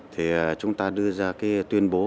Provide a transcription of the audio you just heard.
thì chúng ta đưa ra cái tuyên bố